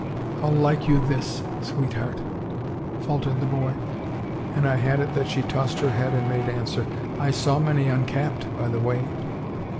"' How like you this, Sweetheart ?'" faltered the boy, " and I had it that she tossed her head and made answer, * I saw many uncapped by the way.'